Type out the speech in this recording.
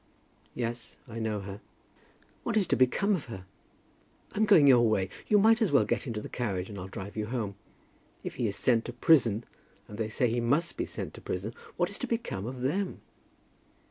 "Yes, I know her." "What is to become of her? I'm going your way. You might as well get into the carriage, and I'll drive you home. If he is sent to prison, and they say he must be sent to prison, what is to become of them?"